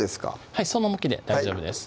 はいその向きで大丈夫です